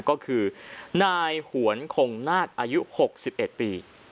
ก็คือนายหวนคงนาฏอายุ๖๑ปี